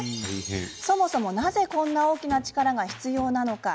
そもそもなぜこんな大きな力が必要なのか。